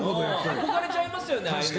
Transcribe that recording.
憧れちゃいますよね。